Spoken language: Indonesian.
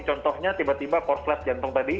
contohnya tiba tiba korslet jantung tadi